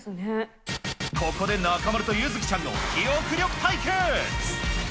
ここで中丸と柚月ちゃんの記憶力対決。